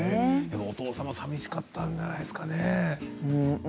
お父様寂しかったんじゃないですかね。